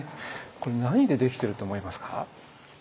これ何で出来てると思いますか？